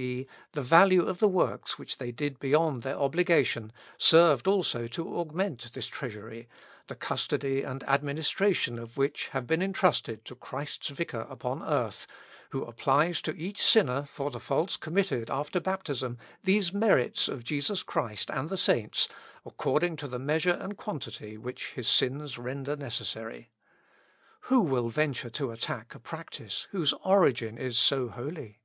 e. the value of the works which they did beyond their obligation, served also to augment this treasury, the custody and administration of which have been intrusted to Christ's vicar upon earth, who applies to each sinner for the faults committed after baptism these merits of Jesus Christ and the saints according to the measure and quantity which his sins render necessary. Who will venture to attack a practice whose origin is so holy?